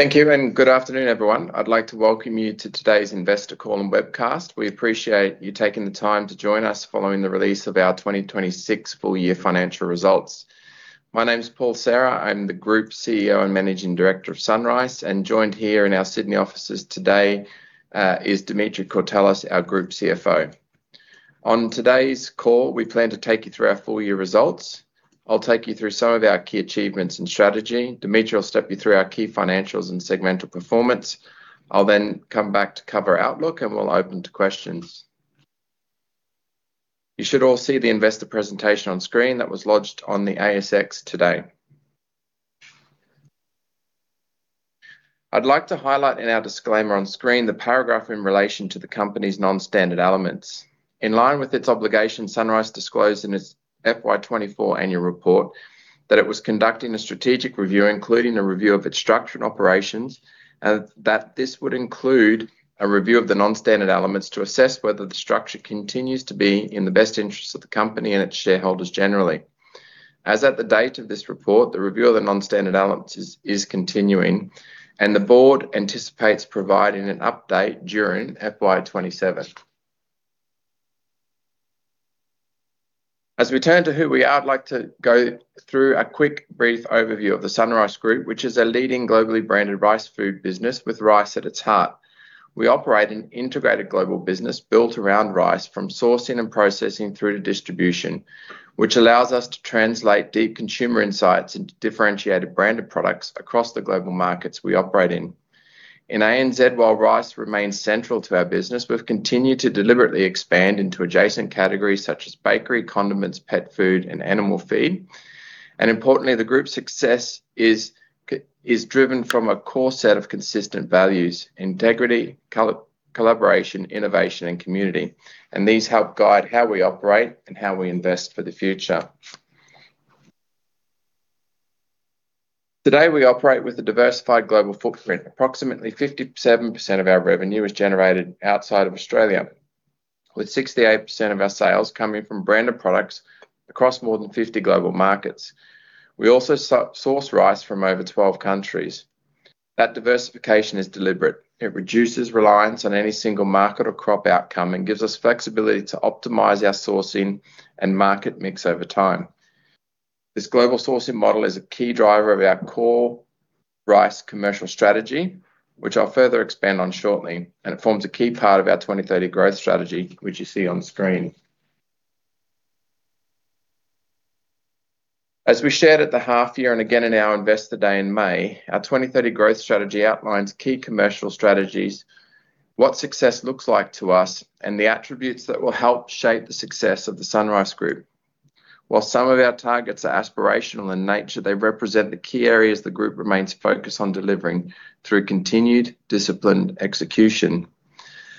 Thank you. Good afternoon, everyone. I'd like to welcome you to today's investor call and webcast. We appreciate you taking the time to join us following the release of our 2026 full year financial results. My name's Paul Serra. I'm the Group CEO and Managing Director of SunRice, and joined here in our Sydney offices today is Dimitri Courtelis, our Group CFO. On today's call, we plan to take you through our full year results. I'll take you through some of our key achievements and strategy. Dimitri will step you through our key financials and segmental performance. I'll then come back to cover outlook, and we'll open to questions. You should all see the investor presentation on screen that was lodged on the ASX today. I'd like to highlight in our disclaimer on screen the paragraph in relation to the company's non-standard elements. In line with its obligation, SunRice disclosed in its FY 2024 annual report that it was conducting a strategic review, including a review of its structure and operations, and that this would include a review of the non-standard elements to assess whether the structure continues to be in the best interests of the company and its shareholders generally. As at the date of this report, the review of the non-standard elements is continuing, and the board anticipates providing an update during FY 2027. As we turn to who we are, I'd like to go through a quick brief overview of the SunRice Group, which is a leading globally branded rice food business with rice at its heart. We operate an integrated global business built around rice from sourcing and processing through to distribution, which allows us to translate deep consumer insights into differentiated branded products across the global markets we operate in. In ANZ, while rice remains central to our business, we've continued to deliberately expand into adjacent categories such as Bakery, Condiments, Pet Food and Animal Feed. importantly, the group's success is driven from a core set of consistent values: integrity, collaboration, innovation, and community. These help guide how we operate and how we invest for the future. Today, we operate with a diversified global footprint. Approximately 57% of our revenue is generated outside of Australia, with 68% of our sales coming from branded products across more than 50 global markets. We also source rice from over 12 countries. That diversification is deliberate. It reduces reliance on any single market or crop outcome and gives us flexibility to optimize our sourcing and market mix over time. This global sourcing model is a key driver of our core rice commercial strategy, which I'll further expand on shortly, and it forms a key part of our 2030 Growth Strategy, which you see on screen. As we shared at the half year and again in our Investor Day in May, our 2030 Growth Strategy outlines key commercial strategies, what success looks like to us, and the attributes that will help shape the success of the SunRice Group. While some of our targets are aspirational in nature, they represent the key areas the group remains focused on delivering through continued disciplined execution.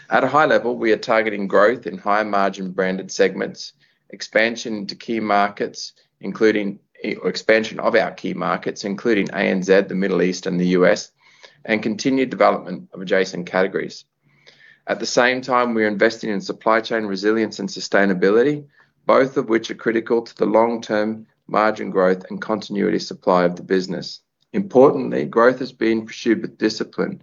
At a high level, we are targeting growth in higher margin branded segments, expansion into key markets including ANZ, the Middle East and the U.S., and continued development of adjacent categories. At the same time, we are investing in supply chain resilience and sustainability, both of which are critical to the long-term margin growth and continuity supply of the business. Importantly, growth is being pursued with discipline.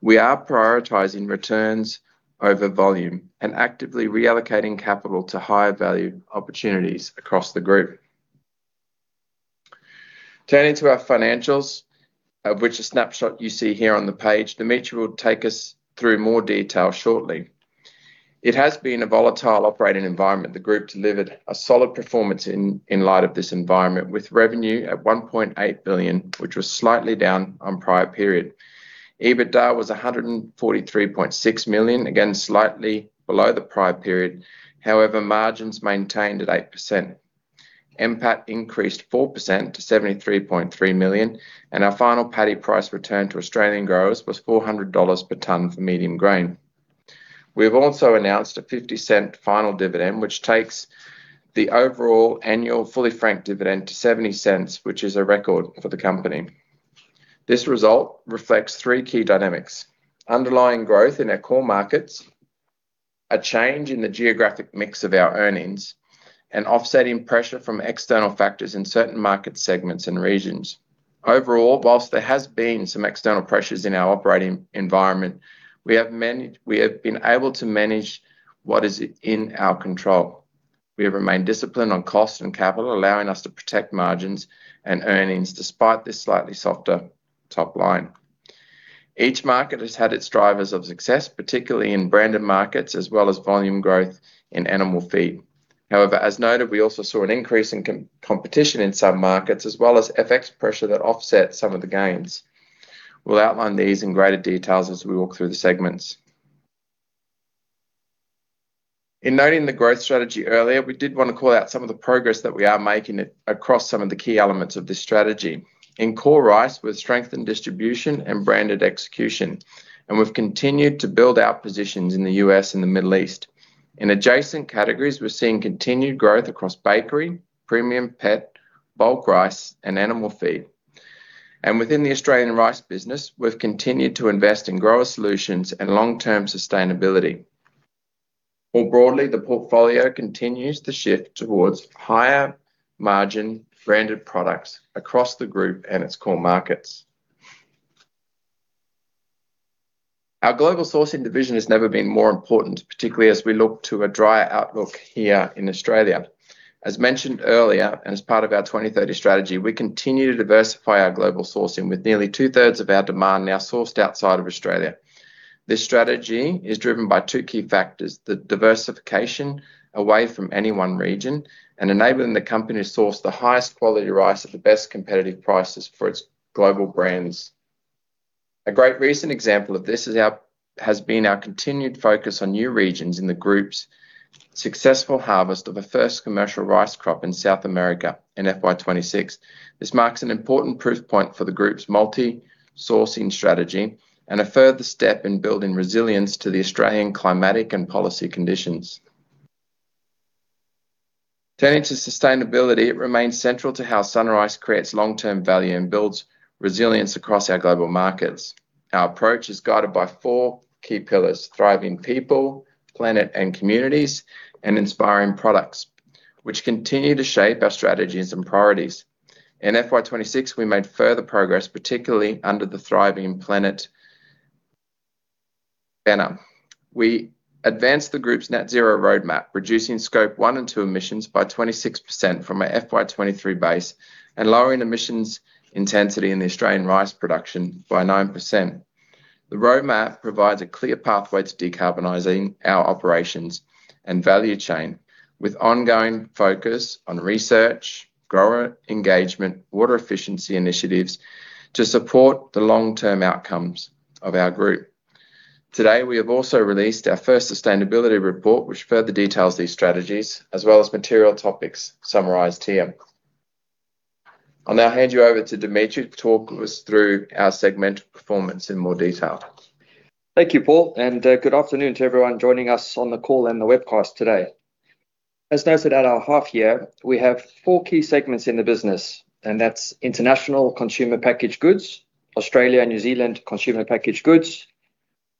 We are prioritizing returns over volume and actively reallocating capital to higher value opportunities across the group. Turning to our financials, of which a snapshot you see here on the page, Dimitri will take us through more detail shortly. It has been a volatile operating environment. The group delivered a solid performance in light of this environment, with revenue at 1.8 billion, which was slightly down on prior period. EBITDA was 143.6 million, again, slightly below the prior period. However, margins maintained at 8%. NPAT increased 4% to 73.3 million, and our final paddy price return to Australian growers was 400 dollars per ton for medium grain. We have also announced a 0.50 final dividend, which takes the overall annual fully franked dividend to 0.70, which is a record for the company. This result reflects three key dynamics: underlying growth in our core markets, a change in the geographic mix of our earnings, and offsetting pressure from external factors in certain market segments and regions. Overall, whilst there has been some external pressures in our operating environment, we have been able to manage what is in our control. We have remained disciplined on cost and capital, allowing us to protect margins and earnings despite this slightly softer top line. Each market has had its drivers of success, particularly in branded markets as well as volume growth and Animal Feed. however, as noted, we also saw an increase in competition in some markets, as well as FX pressure that offset some of the gains. We will outline these in greater details as we walk through the segments. In noting the growth strategy earlier, we did want to call out some of the progress that we are making across some of the key elements of this strategy. In core rice, with strength in distribution and branded execution, we have continued to build our positions in the U.S. and the Middle East. In adjacent categories, we are seeing continued growth across Bakery, premium pet, Bulk Rice and Animal Feed. within the Australian rice business, we have continued to invest in grower solutions and long-term sustainability. More broadly, the portfolio continues to shift towards higher margin branded products across the group and its core markets. Our global sourcing division has never been more important, particularly as we look to a drier outlook here in Australia. As mentioned earlier, as part of our 2030 Strategy, we continue to diversify our global sourcing with nearly two-thirds of our demand now sourced outside of Australia. This strategy is driven by two key factors, the diversification away from any one region, and enabling the company to source the highest quality rice at the best competitive prices for its global brands. A great recent example of this has been our continued focus on new regions in the group's successful harvest of a first commercial rice crop in South America in FY 2026. This marks an important proof point for the group's multi-sourcing strategy and a further step in building resilience to the Australian climatic and policy conditions. Turning to sustainability, it remains central to how SunRice creates long-term value and builds resilience across our global markets. Our approach is guided by four key pillars, thriving people, planet and communities, and inspiring products, which continue to shape our strategies and priorities. In FY 2026, we made further progress, particularly under the thriving planet banner. We advanced the group's net-zero roadmap, reducing Scope 1 and 2 emissions by 26% from our FY 2023 base, and lowering emissions intensity in the Australian rice production by 9%. The roadmap provides a clear pathway to decarbonizing our operations and value chain with ongoing focus on research, grower engagement, water efficiency initiatives to support the long-term outcomes of our group. Today, we have also released our first sustainability report, which further details these strategies as well as material topics summarized here. I will now hand you over to Dimitri to talk us through our segmental performance in more detail. Thank you, Paul, and good afternoon to everyone joining us on the call and the webcast today. As noted at our half year, we have four key segments in the business, and that is International Consumer Packaged Goods, Australia & New Zealand Consumer Packaged Goods,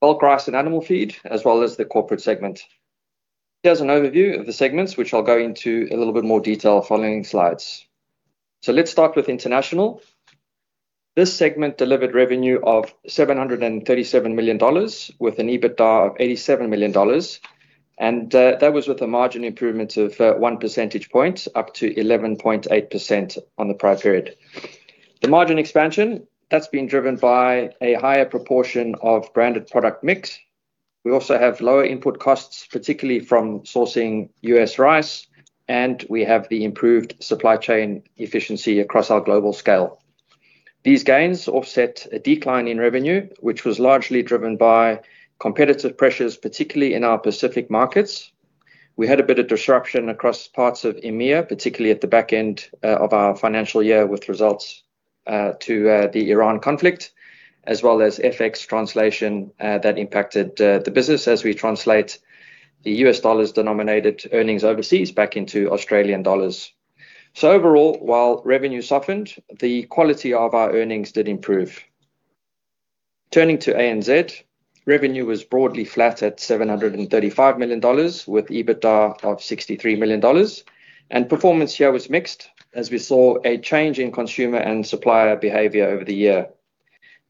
Bulk Rice and Animal Feed, as well as the corporate segment. Here is an overview of the segments, which I will go into a little bit more detail following slides. Let us start with international. This segment delivered revenue of 737 million dollars with an EBITDA of 87 million dollars, and that was with a margin improvement of 1 percentage point up to 11.8% on the prior period. The margin expansion, that has been driven by a higher proportion of branded product mix. We also have lower input costs, particularly from sourcing U.S. rice, and we have the improved supply chain efficiency across our global scale. These gains offset a decline in revenue, which was largely driven by competitive pressures, particularly in our Pacific markets. We had a bit of disruption across parts of EMEA, particularly at the back end of our financial year with results to the Iran conflict, as well as FX translation that impacted the business as we translate the U.S. dollars denominated earnings overseas back into Australian dollars. Overall, while revenue softened, the quality of our earnings did improve. Turning to ANZ, revenue was broadly flat at 735 million dollars, with EBITDA of 63 million dollars. Performance here was mixed, as we saw a change in consumer and supplier behavior over the year.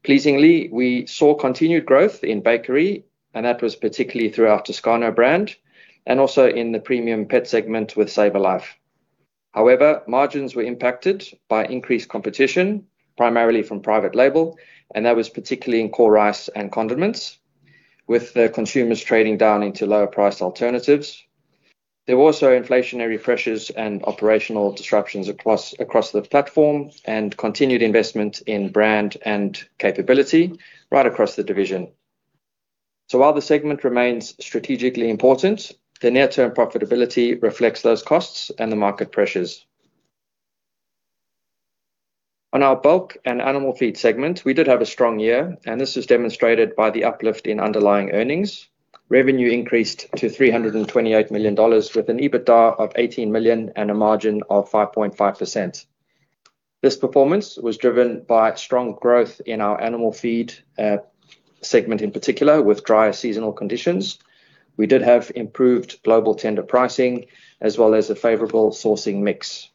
Pleasingly, we saw continued growth in Bakery, and that was particularly through our Toscano brand and also in the premium pet segment with SavourLife. Margins were impacted by increased competition, primarily from private label, and that was particularly in core rice and Condiments with the consumers trading down into lower priced alternatives. There were also inflationary pressures and operational disruptions across the platform and continued investment in brand and capability right across the division. While the segment remains strategically important, the near term profitability reflects those costs and the market pressures. On our Bulk and Animal Feed segment, we did have a strong year, and this is demonstrated by the uplift in underlying earnings. Revenue increased to 328 million dollars, with an EBITDA of 18 million and a margin of 5.5%. This performance was driven by strong growth in our Animal Feed segment, in particular with drier seasonal conditions. We did have improved global tender pricing as well as a favorable sourcing mix.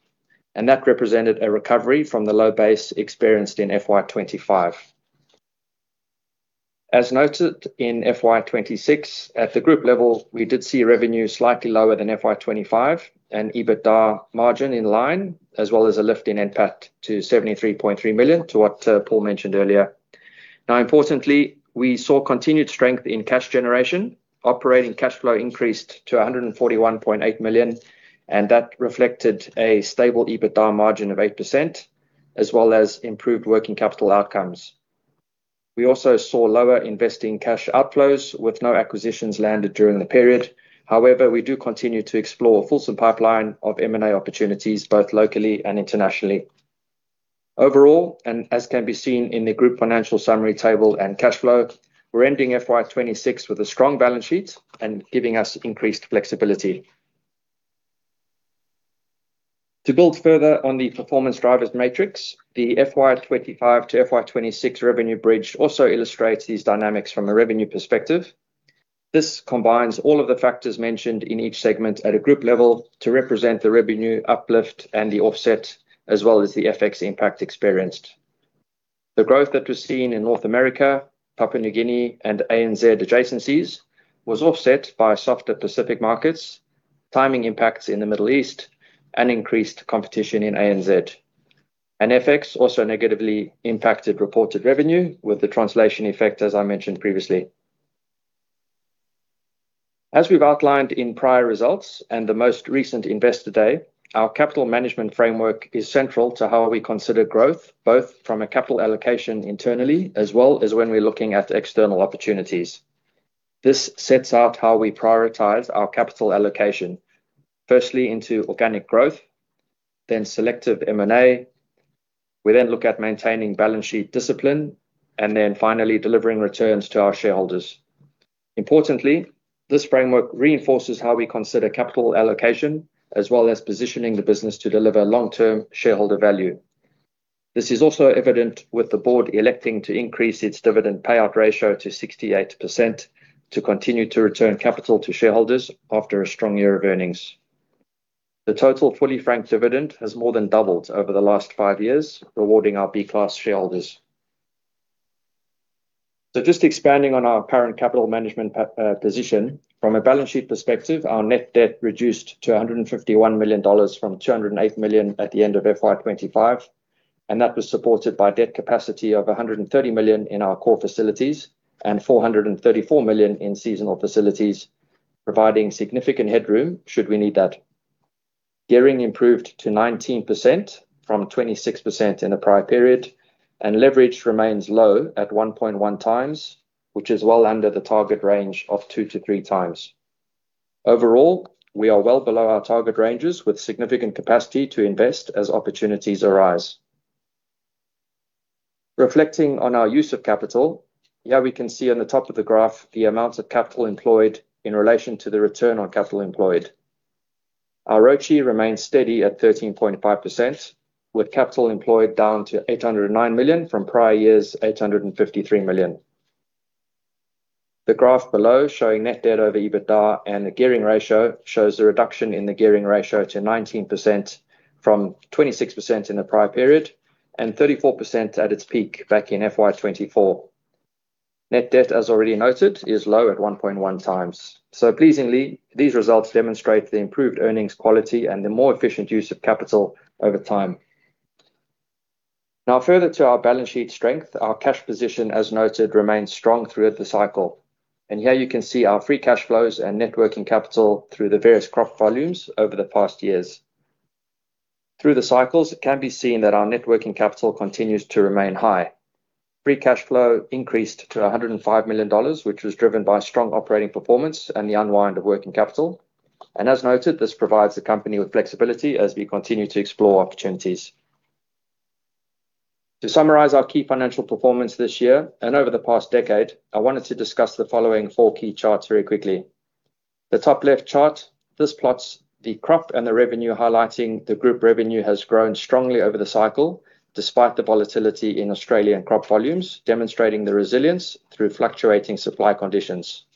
That represented a recovery from the low base experienced in FY 2025. As noted in FY 2026, at the group level, we did see revenue slightly lower than FY 2025 and EBITDA margin in line, as well as a lift in NPAT to 73.3 million to what Paul mentioned earlier. Importantly, we saw continued strength in cash generation. Operating cash flow increased to 141.8 million, and that reflected a stable EBITDA margin of 8%, as well as improved working capital outcomes. We also saw lower investing cash outflows with no acquisitions landed during the period. However, we do continue to explore a fulsome pipeline of M&A opportunities, both locally and internationally. Overall, as can be seen in the group financial summary table and cash flow, we're ending FY 2026 with a strong balance sheet and giving us increased flexibility. To build further on the performance drivers matrix, the FY 2025 to FY 2026 revenue bridge also illustrates these dynamics from a revenue perspective. This combines all of the factors mentioned in each segment at a group level to represent the revenue uplift and the offset, as well as the FX impact experienced. The growth that was seen in North America, Papua New Guinea and ANZ adjacencies was offset by softer Pacific markets, timing impacts in the Middle East, and increased competition in ANZ. FX also negatively impacted reported revenue with the translation effect, as I mentioned previously. As we've outlined in prior results and the most recent Investor Day, our capital management framework is central to how we consider growth, both from a capital allocation internally as well as when we're looking at external opportunities. This sets out how we prioritize our capital allocation, firstly, into organic growth, then selective M&A. We then look at maintaining balance sheet discipline, and then finally delivering returns to our shareholders. Importantly, this framework reinforces how we consider capital allocation as well as positioning the business to deliver long-term shareholder value. This is also evident with the board electing to increase its dividend payout ratio to 68% to continue to return capital to shareholders after a strong year of earnings. The total fully franked dividend has more than doubled over the last five years, rewarding our B-class shareholders. Just expanding on our current capital management position. From a balance sheet perspective, our net debt reduced to 151 million dollars from 208 million at the end of FY 2025, and that was supported by debt capacity of 130 million in our core facilities and 434 million in seasonal facilities, providing significant headroom should we need that. Gearing improved to 19% from 26% in the prior period, and leverage remains low at 1.1x, which is well under the target range of 2x-3x. Overall, we are well below our target ranges with significant capacity to invest as opportunities arise. Reflecting on our use of capital, here we can see on the top of the graph the amounts of capital employed in relation to the return on capital employed. Our ROCE remains steady at 13.5%, with capital employed down to 809 million from prior year's 853 million. The graph below showing net debt over EBITDA and the gearing ratio shows a reduction in the gearing ratio to 19% from 26% in the prior period, and 34% at its peak back in FY 2024. Net debt, as already noted, is low at 1.1x. Pleasingly, these results demonstrate the improved earnings quality and the more efficient use of capital over time. Further to our balance sheet strength, our cash position, as noted, remains strong throughout the cycle. Here you can see our free cash flows and net working capital through the various crop volumes over the past years. Through the cycles, it can be seen that our net working capital continues to remain high. Free cash flow increased to 105 million dollars, which was driven by strong operating performance and the unwind of working capital. As noted, this provides the company with flexibility as we continue to explore opportunities. To summarize our key financial performance this year and over the past decade, I wanted to discuss the following four key charts very quickly. The top left chart, this plots the crop and the revenue, highlighting the group revenue has grown strongly over the cycle despite the volatility in Australian crop volumes, demonstrating the resilience through fluctuating supply conditions.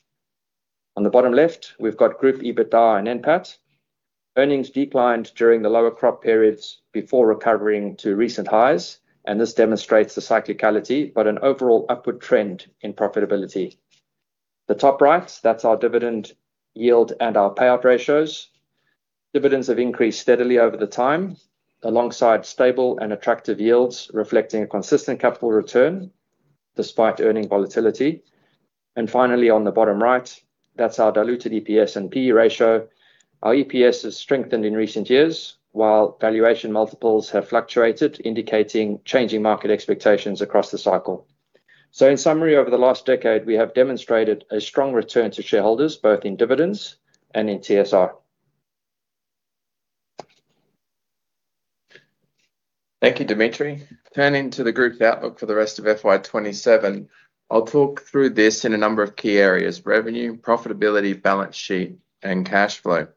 On the bottom left, we've got group EBITDA and NPAT. Earnings declined during the lower crop periods before recovering to recent highs. This demonstrates the cyclicality, but an overall upward trend in profitability. The top right, that's our dividend yield and our payout ratios. Dividends have increased steadily over the time, alongside stable and attractive yields, reflecting a consistent capital return despite earning volatility. Finally, on the bottom right, that's our diluted EPS and P/E ratio. Our EPS has strengthened in recent years while valuation multiples have fluctuated, indicating changing market expectations across the cycle. In summary, over the last decade, we have demonstrated a strong return to shareholders, both in dividends and in TSR. Thank you, Dimitri. Turning to the group's outlook for the rest of FY 2027. I'll talk through this in a number of key areas: revenue, profitability, balance sheet, and cash flow.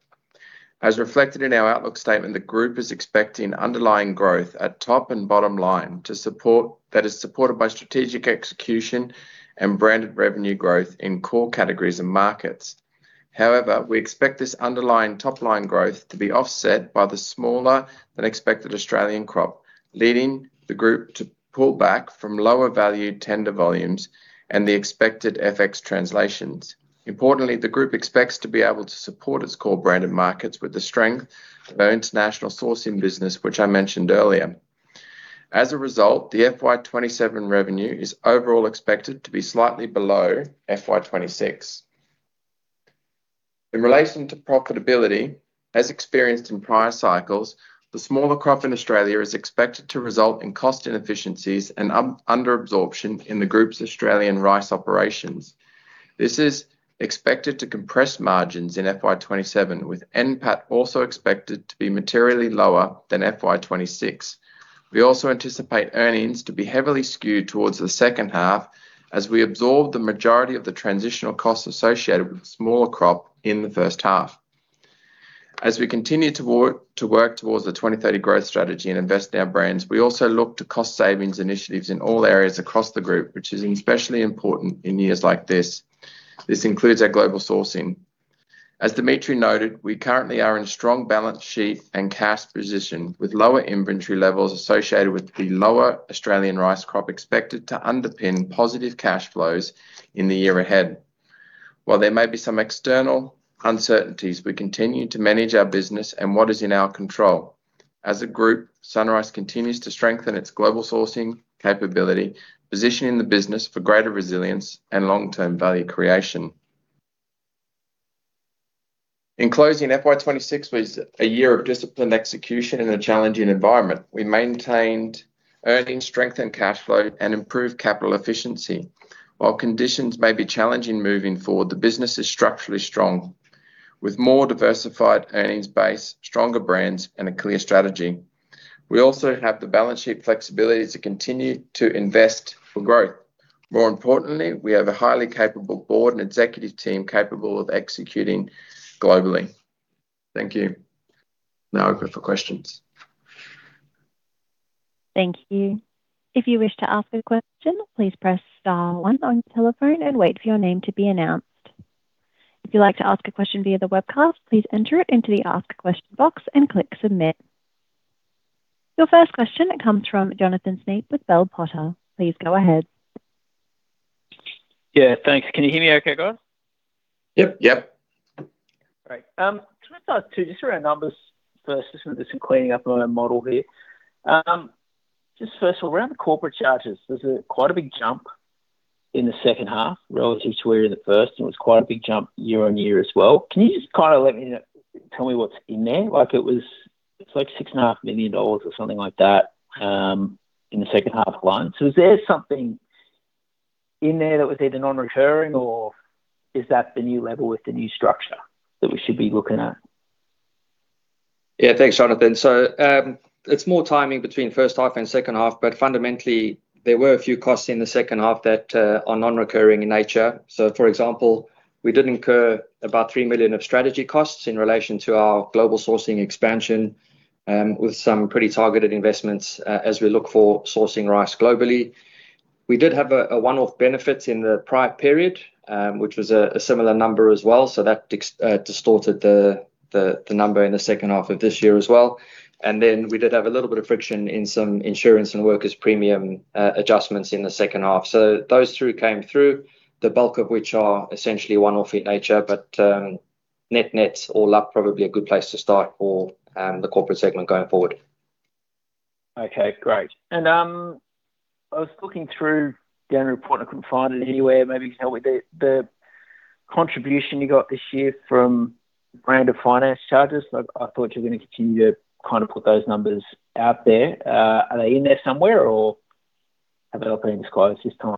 As reflected in our outlook statement, the group is expecting underlying growth at top and bottom line that is supported by strategic execution and branded revenue growth in core categories and markets. However, we expect this underlying top-line growth to be offset by the smaller than expected Australian crop, leading the group to pull back from lower valued tender volumes and the expected FX translations. Importantly, the group expects to be able to support its core branded markets with the strength of our international sourcing business, which I mentioned earlier. As a result, the FY 2027 revenue is overall expected to be slightly below FY 2026. In relation to profitability, as experienced in prior cycles, the smaller crop in Australia is expected to result in cost inefficiencies and under absorption in the group's Australian rice operations. This is expected to compress margins in FY 2027, with NPAT also expected to be materially lower than FY 2026. We also anticipate earnings to be heavily skewed towards the second half as we absorb the majority of the transitional costs associated with the smaller crop in the first half. As we continue to work towards the 2030 Growth Strategy and invest in our brands, we also look to cost savings initiatives in all areas across the group, which is especially important in years like this. This includes our global sourcing. As Dimitri noted, we currently are in strong balance sheet and cash position, with lower inventory levels associated with the lower Australian rice crop expected to underpin positive cash flows in the year ahead. While there may be some external uncertainties, we continue to manage our business and what is in our control. As a group, SunRice continues to strengthen its global sourcing capability, positioning the business for greater resilience and long-term value creation. In closing, FY 2026 was a year of disciplined execution in a challenging environment. We maintained earnings strength and cash flow and improved capital efficiency. While conditions may be challenging moving forward, the business is structurally strong with more diversified earnings base, stronger brands, and a clear strategy. We also have the balance sheet flexibility to continue to invest for growth. More importantly, we have a highly capable board and executive team capable of executing globally. Thank you. Now open for questions. Thank you. If you wish to ask a question, please press star one on your telephone and wait for your name to be announced. If you'd like to ask a question via the webcast, please enter it into the ask a question box and click submit. Your first question comes from Jonathan Snape with Bell Potter. Please go ahead. Yeah, thanks. Can you hear me okay, guys? Yep. Yep. Great. Can I start too, just around numbers first, just doing some cleaning up on a model here. Just first of all, around the corporate charges, there is quite a big jump in the second half relative to where you were in the first, and it was quite a big jump year-on-year as well. Can you just kind of let me know, tell me what is in there? It is like 6.5 million dollars or something like that, in the second half alone. Is there something in there that was either non-recurring, or is that the new level with the new structure that we should be looking at? Yeah, thanks, Jonathan. It is more timing between first half and second half, but fundamentally, there were a few costs in the second half that are non-recurring in nature. For example, we did incur about 3 million of strategy costs in relation to our global sourcing expansion, with some pretty targeted investments, as we look for sourcing rice globally. We did have a one-off benefit in the prior period, which was a similar number as well, that distorted the number in the second half of this year as well. We did have a little bit of friction in some insurance and workers' premium adjustments in the second half. Those two came through, the bulk of which are essentially one-off in nature. Net-net's all up, probably a good place to start for the corporate segment going forward. Okay, great. I was looking through the annual report, and I couldn't find it anywhere. Maybe you can help me there. The contribution you got this year from [grounded] finance charges, I thought you were going to continue to kind of put those numbers out there. Are they in there somewhere, or have they not been disclosed this time?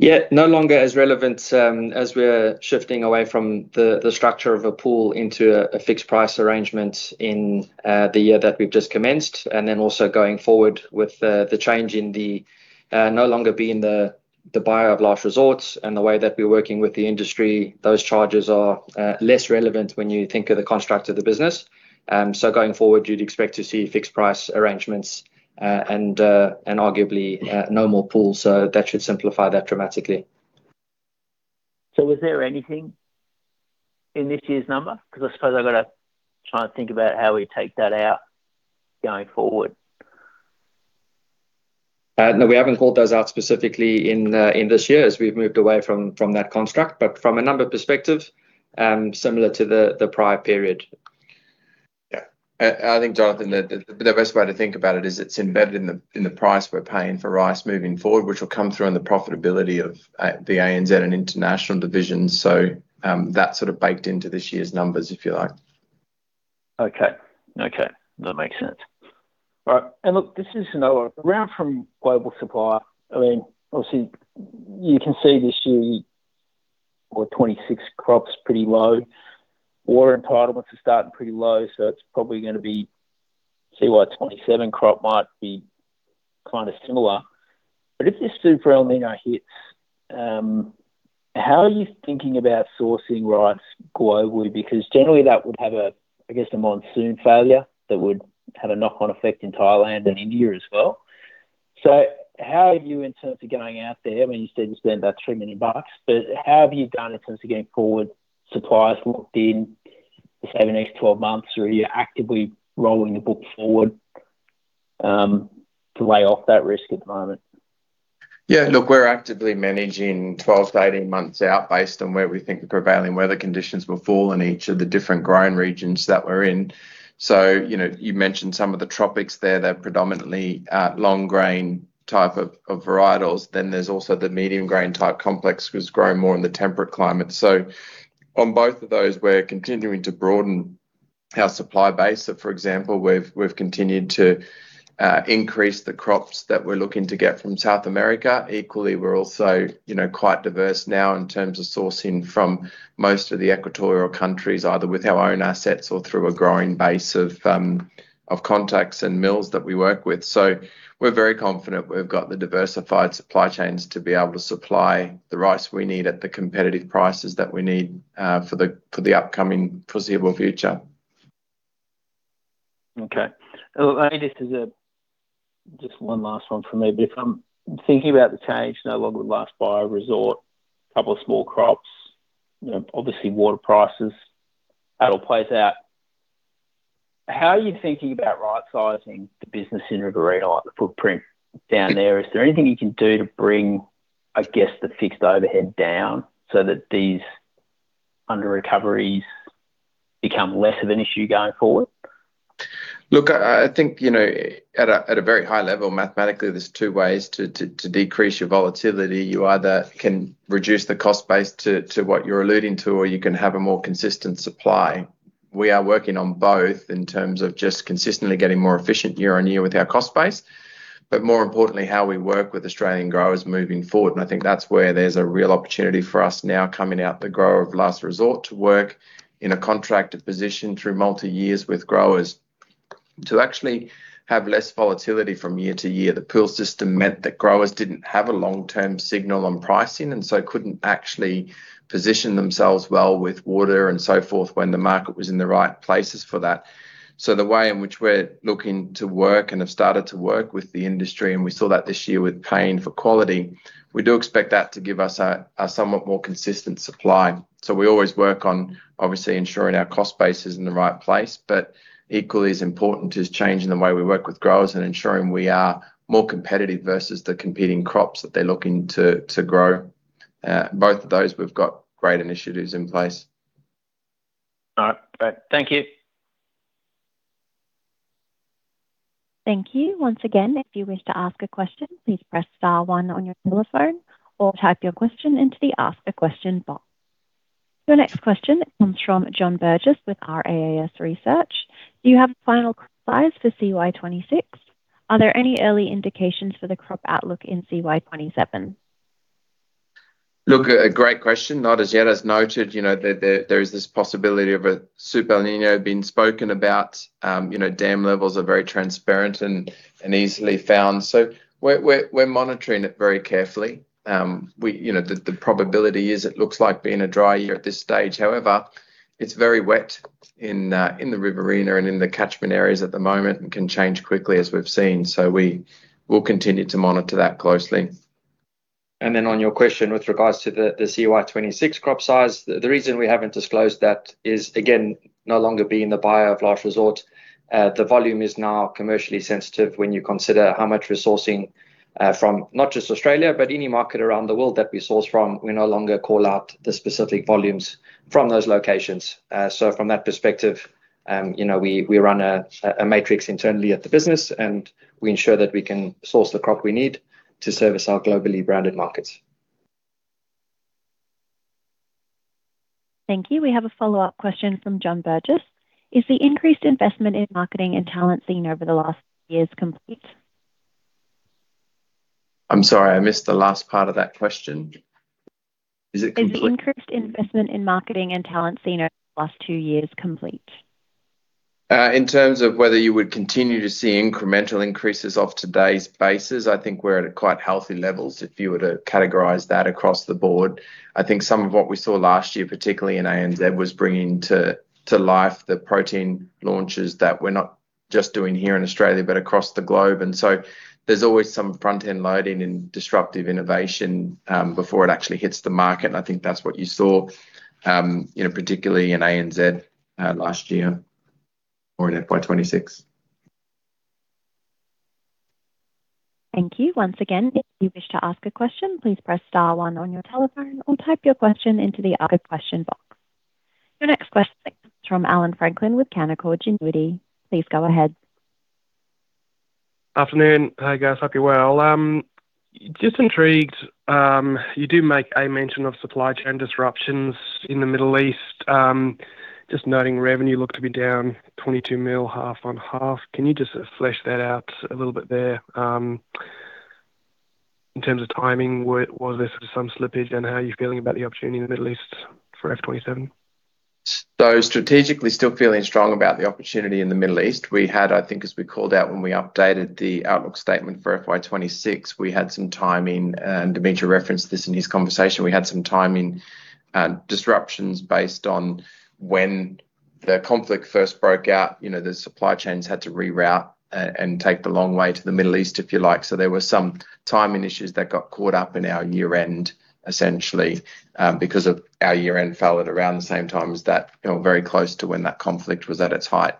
No longer as relevant, as we're shifting away from the structure of a pool into a fixed price arrangement in the year that we've just commenced. Also going forward with the change in the, no longer being the buyer of last resort and the way that we're working with the industry, those charges are less relevant when you think of the construct of the business. Going forward, you'd expect to see fixed price arrangements, and arguably no more pool. That should simplify that dramatically. Was there anything in this year's number? Because I suppose I've got to try and think about how we take that out going forward. We haven't called those out specifically in this year, as we've moved away from that construct. From a number perspective, similar to the prior period. I think, Jonathan, the best way to think about it is it's embedded in the price we're paying for rice moving forward, which will come through in the profitability of the ANZ and international divisions. That's sort of baked into this year's numbers, if you like. Okay. That makes sense. All right. Look, this is another one. Around from global supplier, I mean, obviously you can see this year's, or 2026 crop's pretty low. Water entitlements are starting pretty low, so it's probably going to be FY 2027 crop might be kind of similar. If this Super El Niño hits, how are you thinking about sourcing rice globally? Because generally that would have, I guess, a monsoon failure that would have a knock-on effect in Thailand and India as well. How have you, in terms of going out there, I mean, you said you spent about 3 million bucks, but how have you done it in terms of getting forward suppliers locked in, say in the next 12 months? Or are you actively rolling the book forward, to lay off that risk at the moment? Yeah, look, we're actively managing 12-18 months out based on where we think the prevailing weather conditions will fall in each of the different growing regions that we're in. You mentioned some of the tropics there. They're predominantly long grain type of varietals. There's also the medium grain type complex, which is grown more in the temperate climate. On both of those, we're continuing to broaden our supply base. For example, we've continued to increase the crops that we're looking to get from South America. Equally, we're also quite diverse now in terms of sourcing from most of the equatorial countries, either with our own assets or through a growing base of contacts and mills that we work with. We're very confident we've got the diversified supply chains to be able to supply the rice we need at the competitive prices that we need, for the upcoming foreseeable future. Okay. Just one last one from me. If I'm thinking about the change, no longer the buyer of last resort, couple of small crops, obviously water prices, that all plays out. How are you thinking about right-sizing the business in Riverina, like the footprint down there? Is there anything you can do to bring, I guess, the fixed overhead down so that these under recoveries become less of an issue going forward? Look, I think, at a very high level, mathematically, there's two ways to decrease your volatility. You either can reduce the cost base to what you're alluding to, or you can have a more consistent supply. We are working on both in terms of just consistently getting more efficient year-on-year with our cost base. More importantly, how we work with Australian growers moving forward, and I think that's where there's a real opportunity for us now coming out the [grower] of last resort to work in a contracted position through multi-years with growers to actually have less volatility from year-to-year. The pool system meant that growers didn't have a long-term signal on pricing and so couldn't actually position themselves well with water and so forth when the market was in the right places for that. The way in which we're looking to work and have started to work with the industry, and we saw that this year with paying for quality, we do expect that to give us a somewhat more consistent supply. We always work on obviously ensuring our cost base is in the right place, but equally as important is changing the way we work with growers and ensuring we are more competitive versus the competing crops that they're looking to grow. Both of those, we've got great initiatives in place. All right, great. Thank you. Thank you. Once again, if you wish to ask a question, please press star one on your telephone or type your question into the ask a question box. Your next question comes from John Burgess with RAAS Research. Do you have a final size for CY 2026? Are there any early indications for the crop outlook in CY 2027? Look, a great question. Not as yet. As noted, there is this possibility of a Super El Niño being spoken about. Dam levels are very transparent and easily found. We're monitoring it very carefully. The probability is it looks like being a dry year at this stage. However, it's very wet in the Riverina and in the catchment areas at the moment and can change quickly as we've seen. We will continue to monitor that closely. On your question with regards to the CY 2026 crop size, the reason we haven't disclosed that is, again, no longer being the buyer of last resort, the volume is now commercially sensitive when you consider how much resourcing from not just Australia, but any market around the world that we source from, we no longer call out the specific volumes from those locations. From that perspective, we run a matrix internally at the business, and we ensure that we can source the crop we need to service our globally branded markets. Thank you. We have a follow-up question from John Burgess. Is the increased investment in marketing and talent seen over the last years complete? I'm sorry, I missed the last part of that question. Is it complete? Is the increased investment in marketing and talent seen over the last two years complete? In terms of whether you would continue to see incremental increases off today's bases, I think we're at quite healthy levels if you were to categorize that across the board. I think some of what we saw last year, particularly in ANZ, was bringing to life the protein launches that we're not just doing here in Australia, but across the globe. So there's always some front-end loading and disruptive innovation, before it actually hits the market, and I think that's what you saw, particularly in ANZ, last year or in FY 2026. Thank you. Once again, if you wish to ask a question, please press star one on your telephone or type your question into the ask a question box. Your next question comes from Allan Franklin with Canaccord Genuity. Please go ahead. Afternoon. Hey, guys, hope you're well. Just intrigued, you do make a mention of supply chain disruptions in the Middle East. Just noting revenue looked to be down 22 million, half on half. Can you just flesh that out a little bit there? In terms of timing, was there some slippage and how are you feeling about the opportunity in the Middle East for FY 2027? Strategically, still feeling strong about the opportunity in the Middle East. We had, I think as we called out when we updated the outlook statement for FY 2026, we had some timing, and Dimitri referenced this in his conversation. We had some timing disruptions based on when the conflict first broke out. The supply chains had to reroute and take the long way to the Middle East, if you like. There were some timing issues that got caught up in our year-end, essentially, because our year-end fell at around the same time as that or very close to when that conflict was at its height.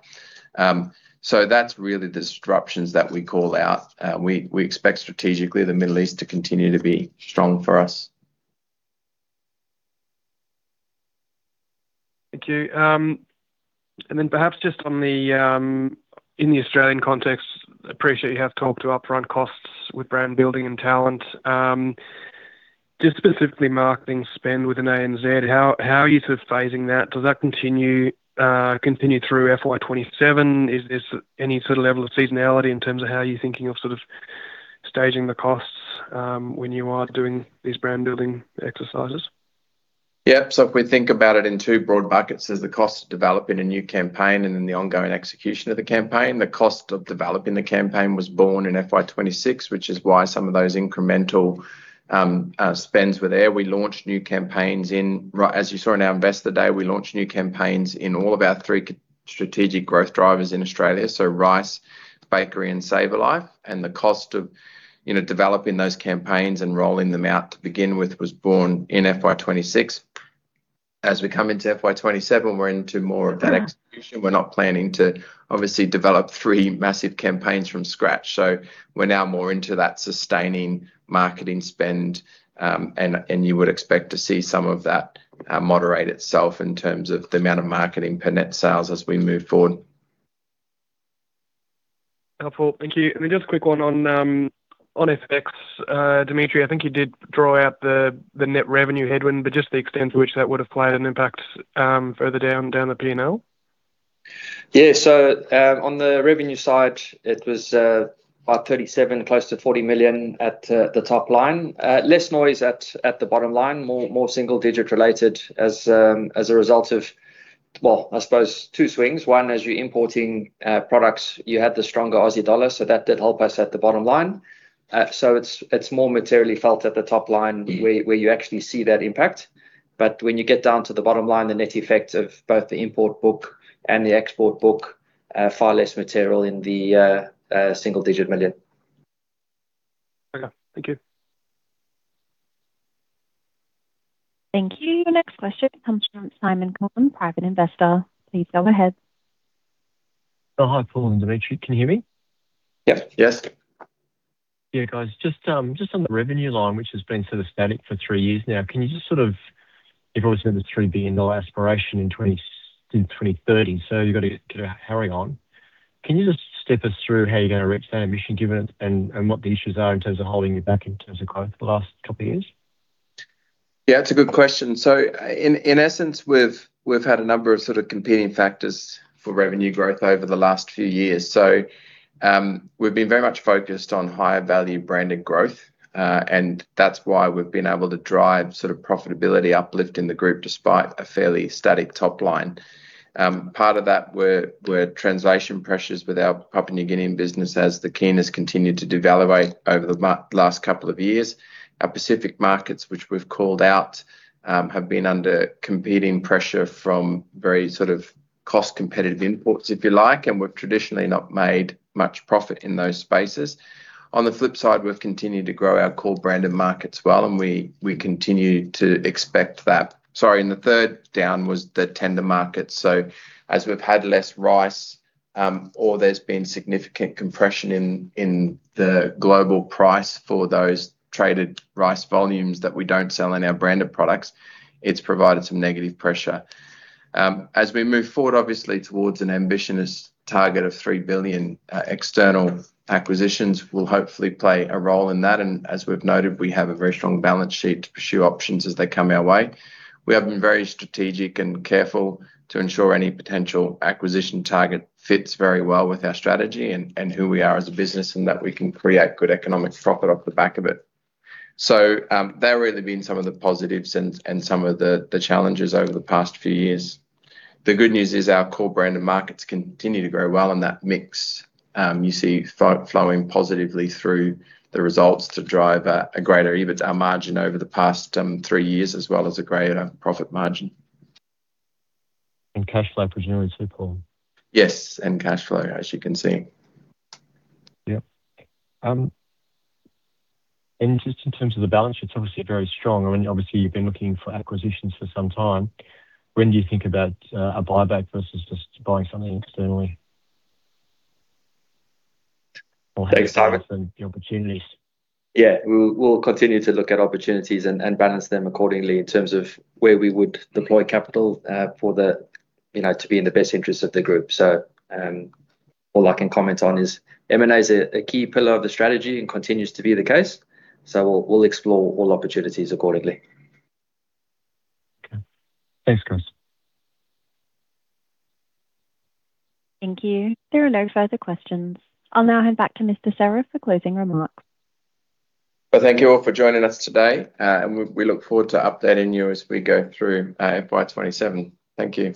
That's really the disruptions that we call out. We expect strategically the Middle East to continue to be strong for us. Thank you. Perhaps just in the Australian context, appreciate you have talked to upfront costs with brand building and talent. Just specifically marketing spend within ANZ, how are you phasing that? Does that continue through FY 2027? Is there any level of seasonality in terms of how you're thinking of staging the costs when you are doing these brand-building exercises? Yep. If we think about it in two broad buckets, there's the cost of developing a new campaign and then the ongoing execution of the campaign. The cost of developing the campaign was borne in FY 2026, which is why some of those incremental spends were there. As you saw in our Investor Day, we launched new campaigns in all of our three strategic growth drivers in Australia, rice, Bakery, and SavourLife. The cost of developing those campaigns and rolling them out to begin with was borne in FY 2026. As we come into FY 2027, we're into more of that execution. We're not planning to obviously develop three massive campaigns from scratch. We're now more into that sustaining marketing spend, and you would expect to see some of that moderate itself in terms of the amount of marketing per net sales as we move forward. Helpful. Thank you. Just a quick one on FX. Dimitri, I think you did draw out the net revenue headwind, but just the extent to which that would have played an impact further down the P&L. Yeah. On the revenue side, it was about 37 million, close to 40 million at the top line. Less noise at the bottom line, more single digit related as a result of, well, I suppose two swings. One, as you're importing products, you had the stronger Aussie dollars, that did help us at the bottom line. It's more materially felt at the top line where you actually see that impact. But when you get down to the bottom line, the net effect of both the import book and the export book, far less material in the single digit million. Okay, thank you. Thank you. Next question comes from Simon Coleman, private investor. Please go ahead. Hi, Paul and Dimitri. Can you hear me? Yep. Yes. Yeah, guys. Just on the revenue line, which has been sort of static for three years now. You've always said the 3 billion dollar aspiration in 2030, you've got to hurry on. Can you just step us through how you're going to reach that ambition, and what the issues are in terms of holding you back in terms of growth for the last couple of years? It's a good question. In essence, we've had a number of competing factors for revenue growth over the last few years. We've been very much focused on higher value-branded growth, and that's why we've been able to drive profitability uplift in the group, despite a fairly static top line. Part of that were translation pressures with our Papua New Guinea business, as the kina has continued to devaluate over the last couple of years. Our Pacific markets, which we've called out, have been under competing pressure from very cost-competitive imports, if you like, and we've traditionally not made much profit in those spaces. On the flip side, we've continued to grow our core branded markets well, and we continue to expect that. Sorry, the third down was the tender market. As we've had less rice, or there's been significant compression in the global price for those traded rice volumes that we don't sell in our branded products, it's provided some negative pressure. As we move forward, obviously, towards an ambitious target of 3 billion, external acquisitions will hopefully play a role in that. As we've noted, we have a very strong balance sheet to pursue options as they come our way. We have been very strategic and careful to ensure any potential acquisition target fits very well with our strategy and who we are as a business, and that we can create good economic profit off the back of it. They've really been some of the positives and some of the challenges over the past few years. The good news is our core branded markets continue to grow well, and that mix you see flowing positively through the results to drive a greater EBITDA margin over the past three years, as well as a greater profit margin. Cash flow presumably too, Paul? Yes. Cash flow, as you can see. Yep. Just in terms of the balance sheet, it's obviously very strong. I mean, obviously you've been looking for acquisitions for some time. When do you think about a buyback versus just buying something externally? Hey, Simon. How do you balance the opportunities? Yeah. We'll continue to look at opportunities and balance them accordingly in terms of where we would deploy capital to be in the best interest of the group. All I can comment on is M&A's a key pillar of the strategy and continues to be the case, we'll explore all opportunities accordingly. Okay. Thanks, guys. Thank you. There are no further questions. I'll now hand back to Mr. Serra for closing remarks. Well, thank you all for joining us today. We look forward to updating you as we go through FY 2027. Thank you.